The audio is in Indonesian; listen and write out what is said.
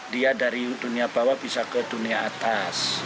dia dari dunia bawah bisa ke dunia atas